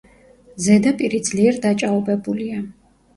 ზედაპირი ძლიერ დაჭაობებულია.